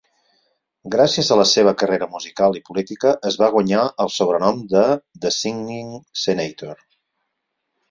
Gràcies a la seva carrera musical i política, es va guanyar el sobrenom de The Singing Senator.